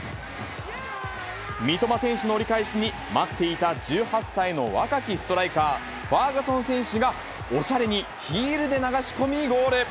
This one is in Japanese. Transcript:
三笘選手の折り返しに、待っていた１８歳の若きストライカー、ファーガソン選手が、おしゃれにヒールで流し込みゴール。